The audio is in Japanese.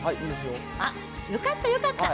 よかった、よかった。